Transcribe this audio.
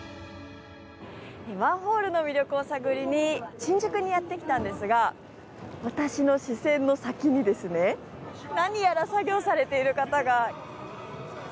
マンホールの魅力を探りに新宿にやってきたんですが私の視線の先に何やら作業されている方が。